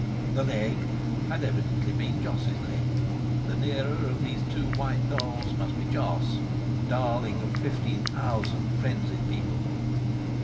The leg had evidently been Jos's leg. The nearer of these two white dolls must be Jos, darling of fifteen thousand frenzied people.